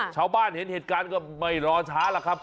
ชาวบ้านเห็นเหตุการณ์ก็ไม่รอช้าล่ะครับ